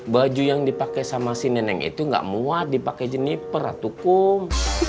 baju yang dipake sama si nenek itu gak muat dipake jeniper atukum